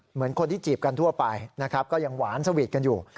เหมือนคนที่จีบกันทั่วไปนะครับก็ยังหวานสวีทกันอยู่